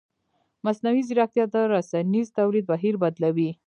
مصنوعي ځیرکتیا د رسنیز تولید بهیر بدلوي.